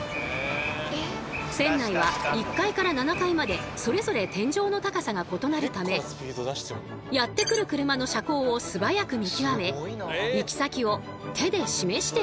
船内は１階から７階までそれぞれ天井の高さが異なるためやって来る車の車高を素早く見極め行き先を手で示しているんです。